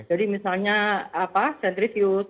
jadi misalnya sentri fused